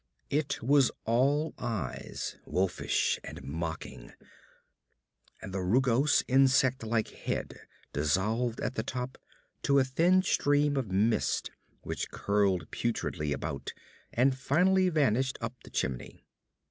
It was all eyes wolfish and mocking and the rugose insect like head dissolved at the top to a thin stream of mist which curled putridly about and finally vanished up the chimney.